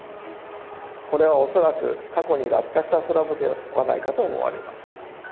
これは恐らく過去に落下したスラブではないかと思われます。